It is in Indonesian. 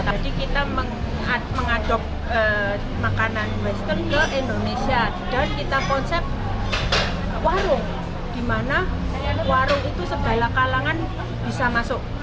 jadi kita mengaduk makanan western ke indonesia dan kita konsep warung di mana warung itu segala kalangan bisa masuk